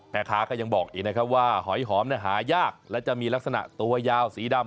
แม่ค้าก็ยังบอกอีกนะครับว่าหอยหอมหายากและจะมีลักษณะตัวยาวสีดำ